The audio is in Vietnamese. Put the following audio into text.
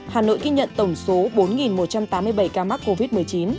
hà nội ghi nhận tổng số bốn một trăm tám mươi bảy ca mắc covid một mươi chín